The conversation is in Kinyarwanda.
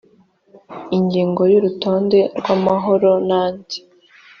ingingo ya urutonde rw amahoro n andi